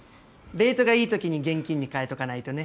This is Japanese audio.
レートがいい時に現金に換えとかないとね。